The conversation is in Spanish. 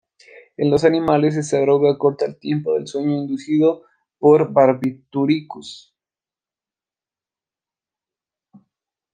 En los animales, esta droga acorta el tiempo del sueño inducido por barbitúricos.